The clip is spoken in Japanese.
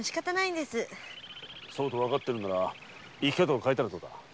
わかっているのなら生き方を変えたらどうだ？